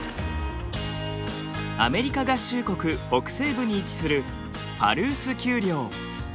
アメリカ合衆国北西部に位置するパルース丘陵。